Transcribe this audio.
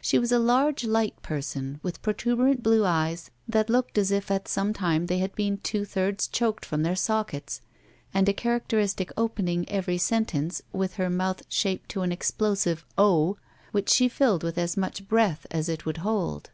She was a large, Ught person with protuberant blue eyes that looked as if at some time they had been two thirds choked from their sockets and a characteristic of opening every sentence with her mouth shaped to an explosive O, which she filled with as much breath as it would hold.